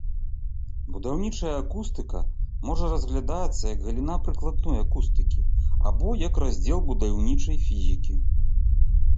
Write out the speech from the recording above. Будаўнічая акустыка можа разглядацца як галіна прыкладной акустыкі, або як раздзел будаўнічай фізікі.